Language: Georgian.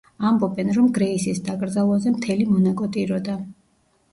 ამბობენ, რომ გრეისის დაკრძალვაზე მთელი მონაკო ტიროდა.